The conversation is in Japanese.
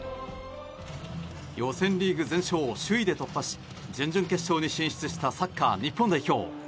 予選リーグ全勝首位で突破し準々決勝に進出したサッカー日本代表。